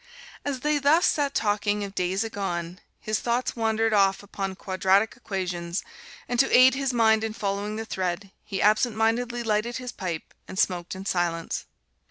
As they thus sat talking of days agone, his thoughts wandered off upon quadratic equations, and to aid his mind in following the thread, he absent mindedly lighted his pipe, and smoked in silence.